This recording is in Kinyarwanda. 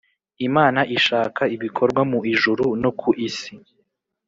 Imana ishaka bikorwa mu ijuru no ku isi